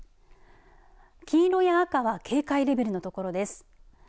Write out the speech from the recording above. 黄色や赤は警戒レベルのところです。